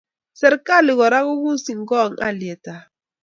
Serikali kora kokusyi kong aletab.